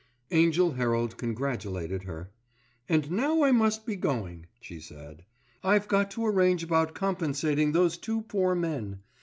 Angell Herald congratulated her. "And now I must be going," she said, "I've got to arrange about compensating those two poor men.